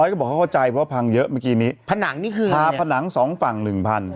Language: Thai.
๓๐๐ก็บอกเขาเข้าใจเพราะว่าพังเยอะเมื่อกี้นี้ผ้าผนัง๒ฝั่ง๑พัน